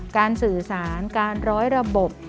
การสื่อสารการร้อยระบบ